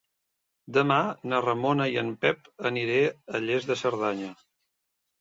Demà na Ramona i en Pep aniré a Lles de Cerdanya.